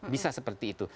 bisa seperti itu